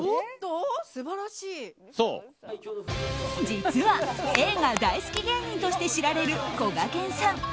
実は、映画大好き芸人として知られる、こがけんさん。